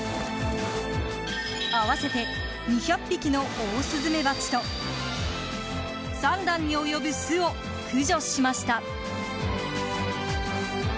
合わせて２００匹のオオスズメバチと３段に及ぶ巣を駆除しました。